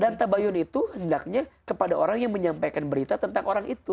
dan tabayun itu hendaknya kepada orang yang menyampaikan berita tentang orang itu